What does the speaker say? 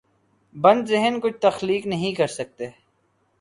بند ذہن کچھ تخلیق نہیں کر سکتے۔